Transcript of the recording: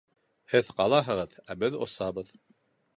— Һеҙ ҡалаһығыҙ, ә беҙ осабыҙ.